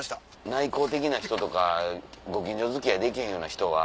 内向的な人とかご近所付き合いできへんような人は。